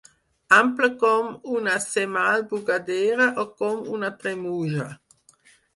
Ample com una semal bugadera o com una tremuja.